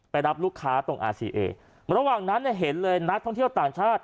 รับลูกค้าตรงอาซีเอระหว่างนั้นเนี่ยเห็นเลยนักท่องเที่ยวต่างชาติ